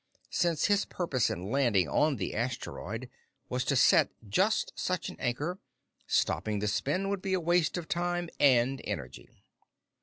Since his purpose in landing on the asteroid was to set just such an anchor, stopping the spin would be a waste of time and energy.